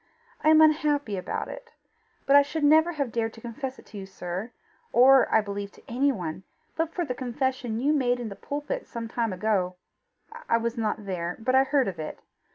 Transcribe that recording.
I am unhappy about it. But I should never have dared to confess it to you, sir, or, I believe, to anyone, but for the confession you made in the pulpit some time ago. I was not there, but I heard of it.